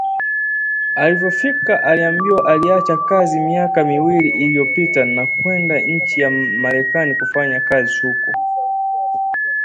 Alivyofika aliambiwa aliacha kazi miaka miwili iliyopita na kwenda nchi ya Marekani kufanya kazi huko